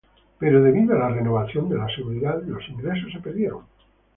Pero debido a la renovación de la seguridad, los ingresos se perdieron.